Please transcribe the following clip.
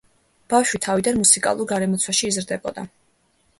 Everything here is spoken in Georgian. ბავშვი თავიდან მუსიკალურ გარემოცვაში იზრდებოდა.